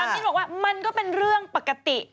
มิ้นบอกว่ามันก็เป็นเรื่องปกติ